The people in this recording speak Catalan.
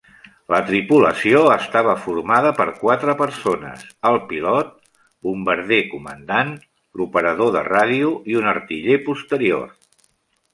La tripulació estava formada per quatre persones: el pilot, bombarder comandant, l'operador de ràdio i un artiller posterior.